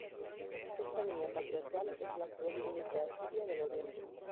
Esta línea patriarcal es la actual Iglesia asiria del Oriente.